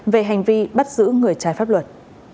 về hành vi bắt giữ người trái pháp luật